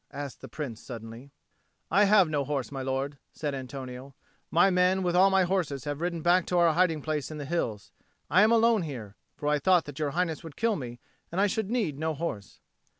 asked the Prince suddenly. "I have no horse, my lord," said Antonio. "My men with all my horses have ridden back to our hiding place in the hills. I am alone here, for I thought that Your Highness would kill me, and I should need no horse."